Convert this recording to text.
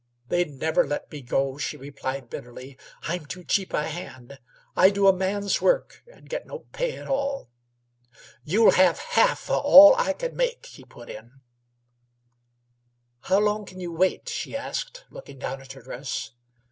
"They'd never let me go," she replied bitterly. "I'm too cheap a hand. I do a man's work an' get no pay at all." "You'll have half o' all I c'n make," he put in. "How long c'n you wait?" she asked, looking down at her dress.